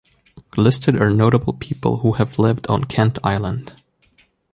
Listed are notable people who have lived on Kent Island.